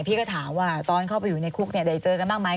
พี่ก็ถามว่าตอนเข้าไปอยู่ในคุกได้เจอกันบ้างไหม